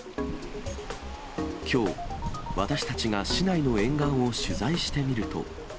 きょう、私たちが市内の沿岸を取材してみると。